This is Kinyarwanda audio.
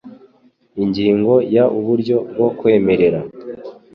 Ingingo ya Uburyo bwo kwemerera